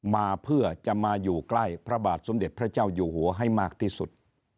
มาเพื่อจะมาอยู่ใกล้พระบาทสมเด็จพระเจ้าอยู่หัวให้มากที่สุด